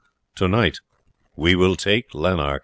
Tonight we will take Lanark."